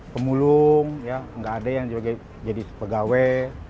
bumbung ya enggak ada yang jadi pegawai